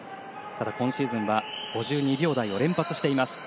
ただ、今シーズンは５２秒台を連発しています。